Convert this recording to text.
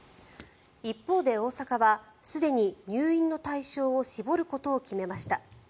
一方で、大阪はすでに入院の対象を絞ることを決めました。